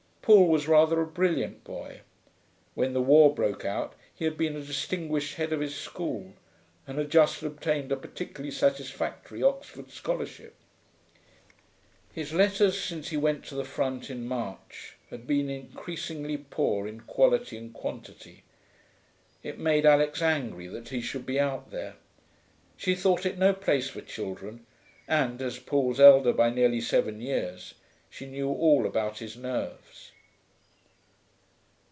Paul was rather a brilliant boy. When the war broke out he had been a distinguished head of his school, and had just obtained a particularly satisfactory Oxford scholarship. His letters, since he went to the front in March, had been increasingly poor in quality and quantity. It made Alix angry that he should be out there. She thought it no place for children, and, as Paul's elder by nearly seven years, she knew all about his nerves.